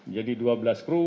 jadi dua belas kru